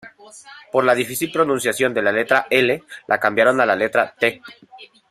Por la difícil pronunciación de la letra "L", la cambiaron a la letra "T".